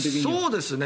そうですね。